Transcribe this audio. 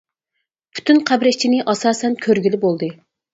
پۈتۈن قەبرە ئىچىنى ئاساسەن كۆرگىلى بولدى.